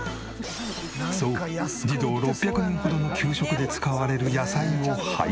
そう児童６００人ほどの給食で使われる野菜を配達。